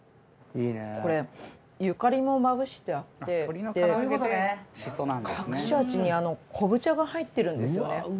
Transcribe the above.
これゆかりもまぶしてあって隠し味にこぶ茶が入ってるんですよね。